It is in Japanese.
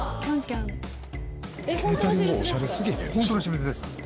本当の私物です。